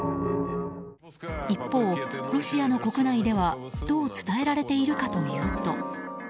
一方、ロシアの国内ではどう伝えられているかというと。